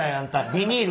ビニール